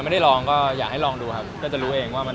ทำให้เรามันสะดวกขึ้นมั้ย